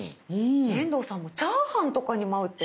遠藤さんもチャーハンとかにも合うって。